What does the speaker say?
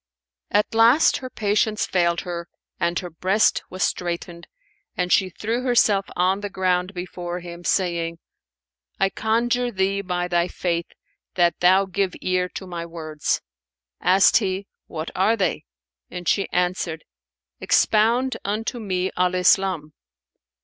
At last her patience failed her and her breast was straitened and she threw herself on the ground before him, saying, "I conjure thee by thy Faith, that thou give ear to my words!" Asked he, "What are they?" and she answered, "Expound unto me Al Islam."